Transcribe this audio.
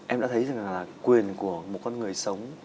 em đã thấy quyền của một con người sống